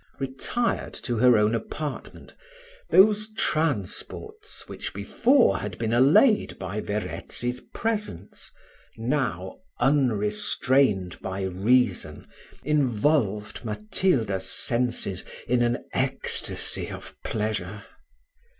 Retired to her own apartment, those transports, which before had been allayed by Verezzi's presence, now, unrestrained by reason, involved Matilda's senses in an ecstasy of pleasure.